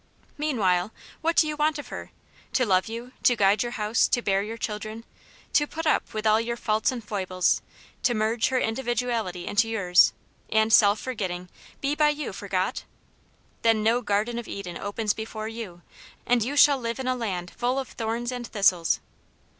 Meanwhile what do you want of her ? To love you,,, to guide your house, to bear your children, to put up^v with all your faults and foibles, to merge her indivi duality in yours, and, self forgetting, be by you for got? Then no Garden of Eden opens before you, and you shall live in a land full of thorns and thistles.